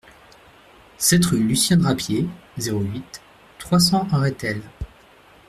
sept rue Lucien Drapier, zéro huit, trois cents à Rethel